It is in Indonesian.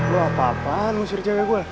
lo apa apaan musuhnya cewek gue